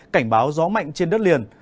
cảnh báo gió mạnh trên đất liền